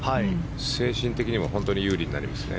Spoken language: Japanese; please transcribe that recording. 精神的にも本当に有利になりますね。